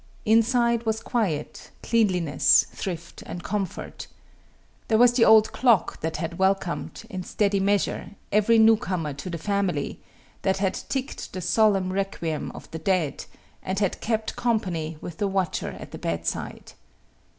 Inside was quiet, cleanliness, thrift, and comfort. There was the old clock that had welcomed, in steady measure, every newcomer to the family, that had ticked the solemn requiem of the dead, and had kept company with the watcher at the bedside.